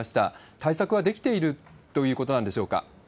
対策はできているということなんでしょうか。